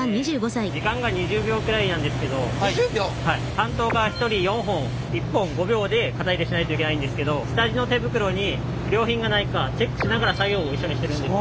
担当が１人４本１本５秒で型入れしないといけないんですけど下地の手袋に不良品がないかチェックしながら作業を一緒にしてるんです。